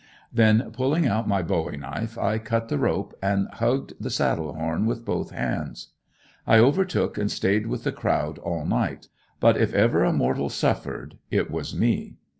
Then pulling out my bowie knife I cut the rope and hugged the saddle horn with both hands. I overtook and stayed with the crowd all night, but if ever a mortal suffered it was me.